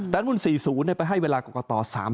แต่ละอัน๔๐เนี่ยไปให้เวลากกต๓๐วัน